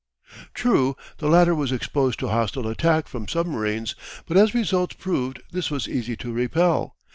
True, the latter was exposed to hostile attack from submarines, but as results proved this was easy to repel.